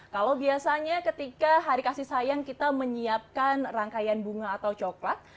kalau biasanya ketika hari kasih sayang kita menyiapkan rangkaian bunga atau coklat